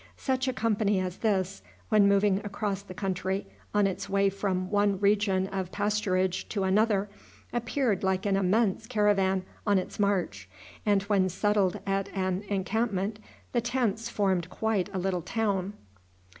Such a company as this, when moving across the country on its way from one region of pasturage to another, appeared like an immense caravan on its march, and when settled at an encampment the tents formed quite a little town.